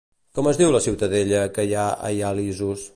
Com es diu la ciutadella que hi ha a Ialisos?